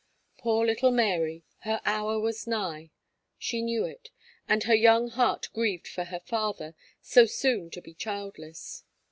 Poor little Mary, her hour was nigh; she knew it, and her young heart grieved for her father, so soon to be childless.